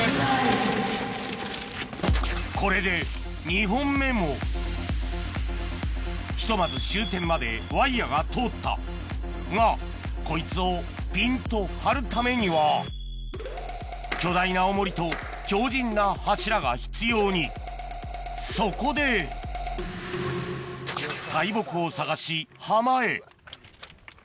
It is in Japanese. これでひとまず終点までワイヤが通ったがこいつをピンと張るためには巨大な重りと強靱な柱が必要にそこでとえっ？